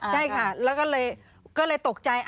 ใช่ค่ะแล้วก็ตกใจ